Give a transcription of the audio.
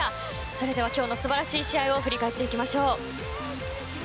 それでは今日の素晴らしい試合を振り返っていきましょう。